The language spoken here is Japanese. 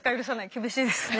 厳しいですね。